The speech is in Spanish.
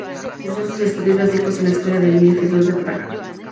Cursó sus estudios básicos en la Escuela del Niño Jesús de Praga.